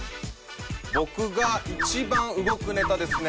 僕が一番動くネタですね